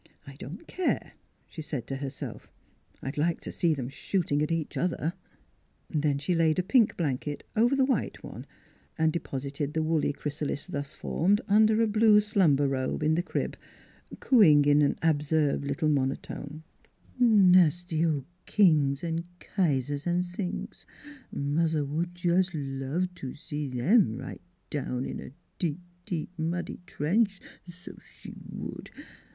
" I don't care," she said to herself; " I'd like to see them shooting at each other." Then she laid a pink blanket over the white one and deposited the woolly chrysalis thus formed under a blue slumber robe in the crib, cooing in an absurd little monotone: " Nas'y ol' Kings 'n' Kaisers 'n' sings ! Muzzer 158 NEIGHBORS would just love t' see 'em right down in a deep, deep muddy trench, so she would.